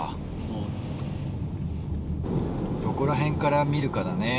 どこら辺から見るかだね。